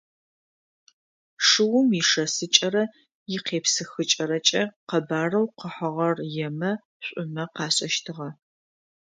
Шыум ишэсыкӏэрэ икъепсыхыкӏэрэкӏэ къэбарэу къыхьыгъэр емэ, шӏумэ къашӏэщтыгъэ.